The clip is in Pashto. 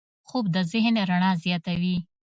خوب د ذهن رڼا زیاتوي